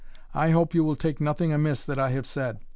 I hope you will take nothing amiss that I have said.